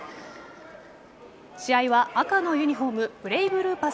試合は赤のユニホームブレイブルーパス